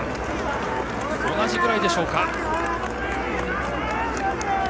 同じくらいでしょうか。